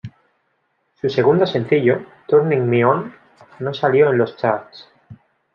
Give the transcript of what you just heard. Su segundo sencillo, "Turning Me On", no salió en los charts.